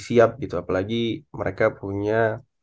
siap gitu apalagi mereka punya